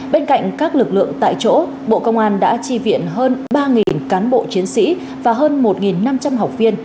bên cạnh các lực lượng tại chỗ bộ công an đã chi viện hơn ba cán bộ chiến sĩ và hơn một năm trăm linh học viên